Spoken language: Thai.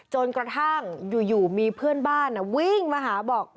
จนกระทั่งอยู่มีเพื่อนบ้านวิ่งมาหาบอก